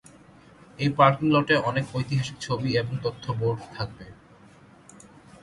এই পার্কিং লটে অনেক ঐতিহাসিক ছবি এবং তথ্য বোর্ড থাকবে।